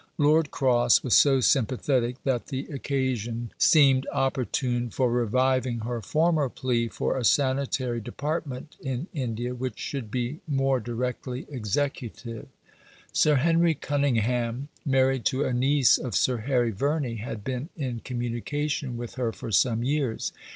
Lord Cross was so sympathetic that the occasion seemed opportune for reviving her former plea for a sanitary department in India which should be more directly executive. Sir Henry Cunningham (married to a niece of Sir Harry Verney) had been in communication with her for some years.